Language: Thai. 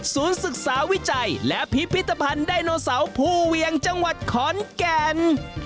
ศึกษาวิจัยและพิพิธภัณฑ์ไดโนเสาร์ภูเวียงจังหวัดขอนแก่น